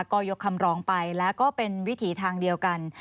ก็ยกคำร้องไปแล้วก็เป็นวิถีทางเดียวกัน